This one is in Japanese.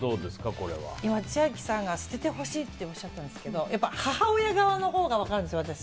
千秋さんが捨ててほしいっておっしゃったんですけど母親側のほうが分かるんですよ